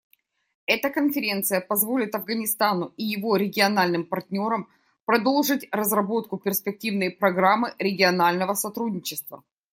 Эта конференция позволит Афганистану и его региональным партнерам продолжить разработку перспективной программы регионального сотрудничества.